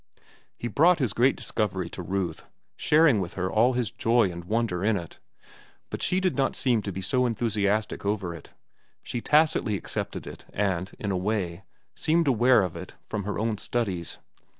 He brought his great discovery to Ruth, sharing with her all his joy and wonder in it. But she did not seem to be so enthusiastic over it. She tacitly accepted it and, in a way, seemed aware of it from her own studies.